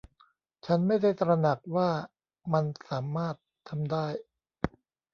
ฉันไม่ได้ตระหนักว่ามันสามารถทำได้